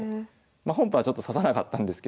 まあ本譜はちょっと指さなかったんですけど。